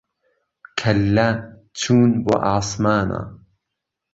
کهلله چوون بۆ عاسمانه